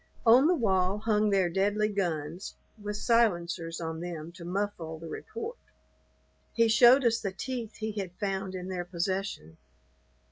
On the wall hung their deadly guns, with silencers on them to muffle the report. He showed us the teeth he had found in their possession.